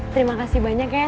terima kasih banyak ya